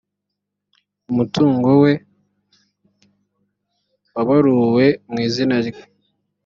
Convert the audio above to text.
umutungo we wabaruwe mw’izina rye